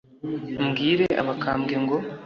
mbwire abakambwe ngo